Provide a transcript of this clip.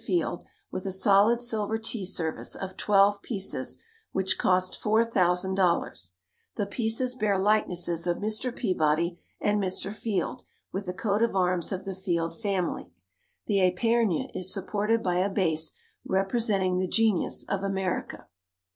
Field with a solid silver tea service of twelve pieces, which cost $4,000. The pieces bear likenesses of Mr. Peabody and Mr. Field, with the coat of arms of the Field family. The epergne is supported by a base representing the genius of America.